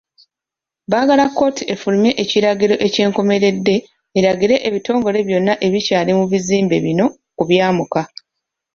Baagala kkooti efulumye ekiragiro ekyenkomeredde eragire ebitongole byonna ebikyali mu bizimbe bino okubyamuka.